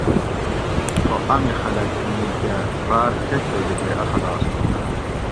خو امی خلک می کہ باۤر چچ ویلی تے اخلاص تھو